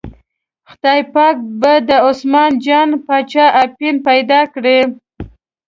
خدای پاک به د عثمان جان باچا اپین پیدا کړي.